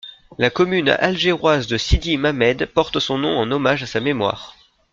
La commune algéroise de Sidi M'hamed porte son nom en hommage à sa mémoire.